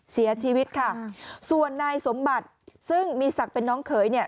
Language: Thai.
เสียชีวิตค่ะส่วนนายสมบัติซึ่งมีศักดิ์เป็นน้องเขยเนี่ย